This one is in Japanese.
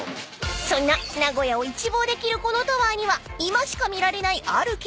［そんな名古屋を一望できるこのタワーには今しか見られないある景色が］